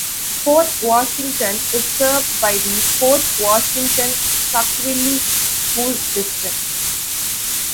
Port Washington is served by the Port Washington-Saukville school district.